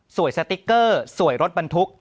สติ๊กเกอร์สวยรถบรรทุก